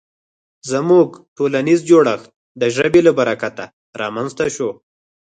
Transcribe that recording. زموږ ټولنیز جوړښت د ژبې له برکته رامنځ ته شو.